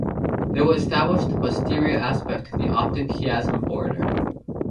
They will establish the posterior aspect of the optic chiasm border.